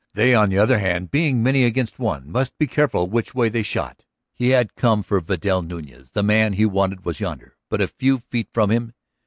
They, on the other hand, being many against one, must be careful which way they shot. He had come for Vidal Nuñez. The man he wanted was yonder, but a few feet from him.